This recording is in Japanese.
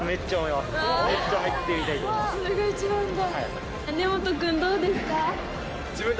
それが一番だ。